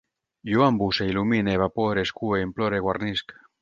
Jo embusse, il·lumine, evapore, escue, implore, guarnisc